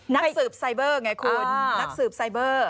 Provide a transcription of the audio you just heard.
นักสืบไซเบอร์ไงคุณนักสืบไซเบอร์